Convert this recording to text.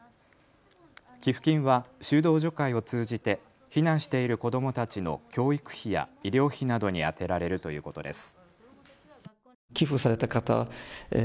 寄付金は修道女会を通じて避難している子どもたちの教育費や医療費などに充てられるということです。